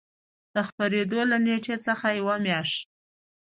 د خپرېدو له نېټې څخـه یـوه میاشـت